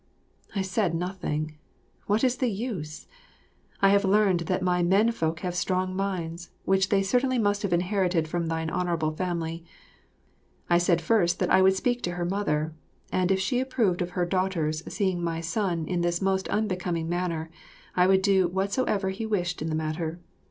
I said nothing what is the use? I have learned that my men folk have strong minds, which they certainly must have inherited from thine honourable family. I said that first I would speak to her mother, and if she approved of her daughter's seeing my son in this most unbecoming manner, I would do whatsoever he wished in the matter.